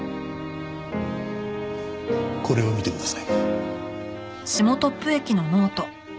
これを見てください。